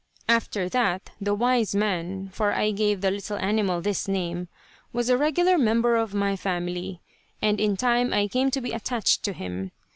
After that the "wise man," for I gave the little animal this name, was a regular member of my family, and in time I came to be attached to him.